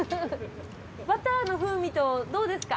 バターの風味とどうですか？